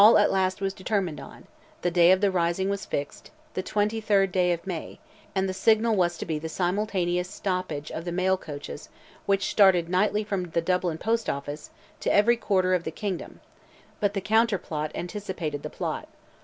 All at last was determined on; the day of the rising was fixed—the 23rd day of May—and the signal was to be the simultaneous stoppage of the mail coaches, which started nightly from the Dublin post office, to every quarter of the kingdom. But the counterplot anticipated the plot.